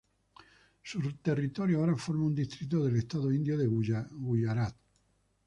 Su territorio ahora forma un distrito del estado indio de Guyarat.